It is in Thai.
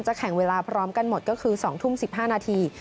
แข่งเวลาพร้อมกันหมดก็คือ๒ทุ่ม๑๕นาที